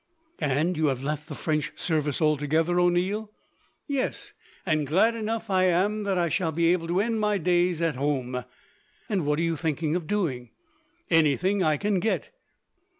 "And you have left the French service altogether, O'Neill?" "Yes, and glad enough I am that I shall be able to end my days at home." "And what are you thinking of doing?" "Anything I can get."